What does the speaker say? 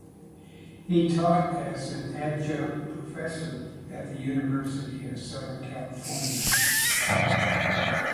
He taught as an adjunct professor at the University of Southern California.